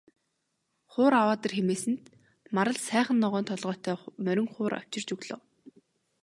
Хуур аваад ир хэмээсэнд Марал сайхан ногоон толгойтой морин хуур авчирч өглөө.